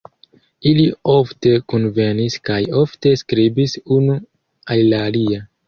Ili ofte kunvenis kaj ofte skribis unu al la alia.